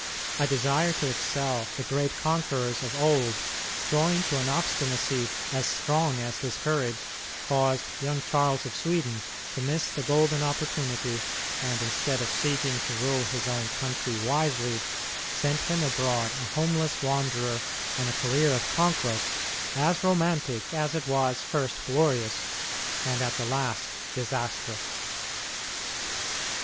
A desire to excel the great conquerors of old, joined to an obstinacy as strong as his courage, caused young Charles of Sweden to miss the golden opportunity, and instead of seeking to rule his own country wisely, sent him abroad a homeless wanderer on a career of conquest, as romantic as it was, first, glorious, and at the last disastrous.